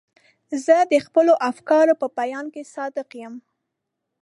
زه د خپلو افکارو په بیان کې صادق یم.